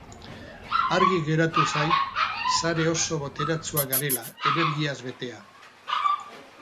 Argi geratu zait sare oso boteretsua garela, energiaz betea.